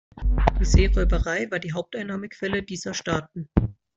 Die Seeräuberei war die Haupteinnahmequelle dieser Staaten.